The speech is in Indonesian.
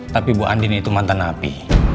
tapi bu andin itu mantan api